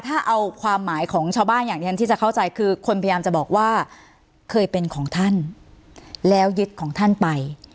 ถ้าเอาความหมายของชาวบ้านอย่างที่ฉันที่จะเข้าใจคือคนพยายามจะบอกว่าเคยเป็นของท่านแล้วยึดของท่านไป